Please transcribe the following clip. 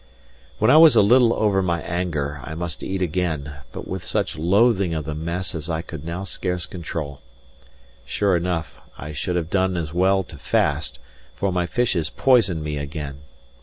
When I was a little over my anger, I must eat again, but with such loathing of the mess as I could now scarce control. Sure enough, I should have done as well to fast, for my fishes poisoned me again.